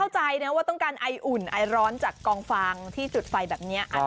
เข้าใจเนี้ยว่าต้องการไออุ่นไอร้อนจากกองฟางที่จุดไฟแบบเนี้ยครับ